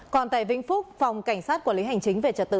còn tại vĩnh phúc phòng cảnh sát quản lý hành chính về trật tự